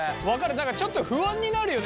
何かちょっと不安になるよね